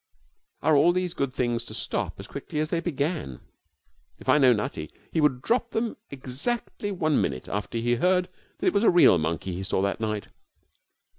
Are all these good things to stop as quickly as they began? If I know Nutty, he would drop them exactly one minute after he heard that it was a real monkey he saw that night.